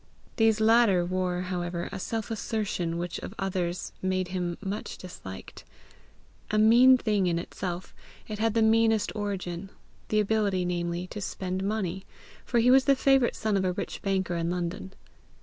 These latter wore, however, a self assertion which of others made him much disliked: a mean thing in itself, it had the meanest origin the ability, namely, to spend money, for he was the favourite son of a rich banker in London.